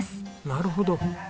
なるほど！